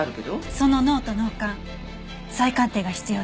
その脳と脳幹再鑑定が必要です。